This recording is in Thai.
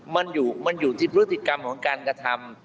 มันอยู่ที่พฤติกรรมของการกระทำ